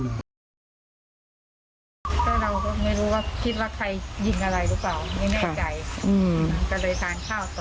ก็เราก็ไม่รู้ว่าคิดว่าใครยิงอะไรหรือเปล่า